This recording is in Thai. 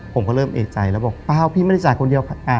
ผมก็เริ่มเอกใจแล้วบอกเปล่าพี่ไม่ได้จ่ายคนเดียว